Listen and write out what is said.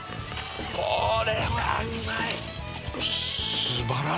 これはうまい。